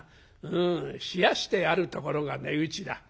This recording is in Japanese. うん冷やしてあるところが値打ちだ。